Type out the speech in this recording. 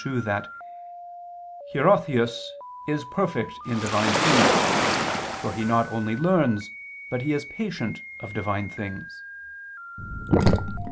ii) that "Hierotheus is perfect in Divine things, for he not only learns, but is patient of, Divine things."